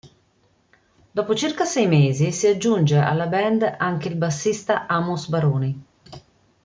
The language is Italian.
Dopo circa sei mesi si aggiunge alla Band anche il bassista Amos Baroni.